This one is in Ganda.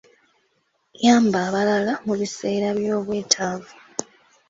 Yamba abalala mu biseera by'obwetaavu.